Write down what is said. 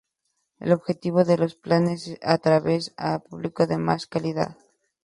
El objetivo de los planes es atraer a un público de más calidad